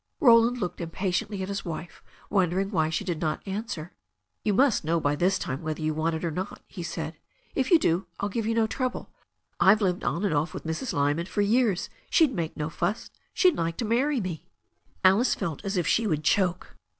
Roland looked impatiently at his wife, wondering why she did not answer. "You must know by this time whether you want it or not," he said. "If you do I'll give you no trouble. I've lived on and off with Mrs. Lyman for years. She'd make no fuss; she'd like to marry me." Alice felt as if she would choke.